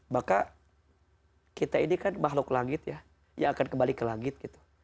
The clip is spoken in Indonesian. maka kita ini kan makhluk langit ya yang akan kembali ke langit gitu